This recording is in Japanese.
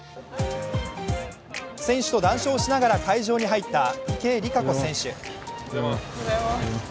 選手と談笑しながら会場に入った池江璃花子選手。